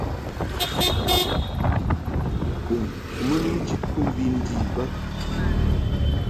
Bun kɨ mɨ ni njid kɨmvi ndi bə.